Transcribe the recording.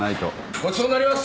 ごちそうになります。